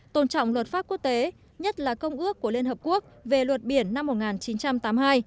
tôn trọng luật pháp quốc tế nhất là công ước của liên hợp quốc về luật biển năm một nghìn chín trăm tám mươi hai